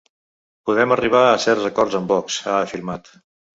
Podem arribar a certs acords amb Vox, ha afirmat.